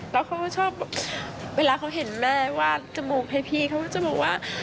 แล้วเขาก็ชอบเวลาเขาเห็นแม่วาดจมูกให้พี่เขาก็จะบอกว่า